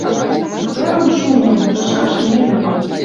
Сыкырым, шулмым, тышкаш нелӹ.